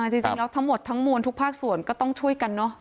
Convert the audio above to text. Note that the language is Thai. จริงแล้วทั้งหมดทั้งมวลทุกภาคส่วนก็ต้องช่วยกันเนอะ